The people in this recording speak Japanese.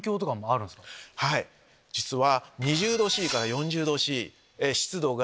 実は。